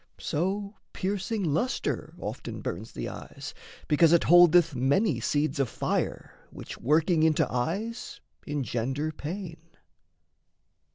So piecing lustre often burns the eyes, Because it holdeth many seeds of fire Which, working into eyes, engender pain.